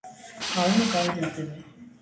Գարունը կարճատև է։